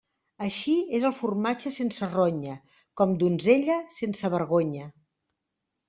Així és el formatge sense ronya, com donzella sense vergonya.